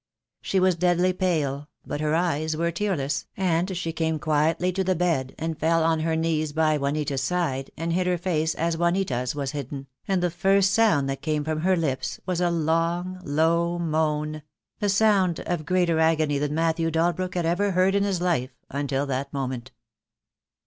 She was deadly pale, but her eyes were tearless, and she came quietly to the bed, and fell on her knees by Juanita's side and hid her face as Juanita's was hidden, and the first sound that came from her lips was a long low moan 94 THE DAY WILL COME. — a sound of greater agony than Matthew Dalbrook had ever heard in his life until that moment.